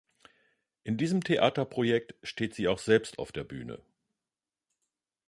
In diesem Theaterprojekt steht sie auch selbst auf der Bühne.